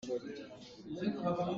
Mek lehlaw!